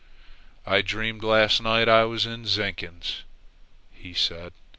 "I dreamed last night I was in Zinkand's," he said.